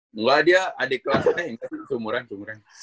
enggak dia adik kelasnya ini tuh seumuran seumuran